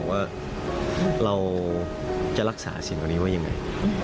ว่าเราจะรักษาสิ่งคนนี้ว่าอย่างไร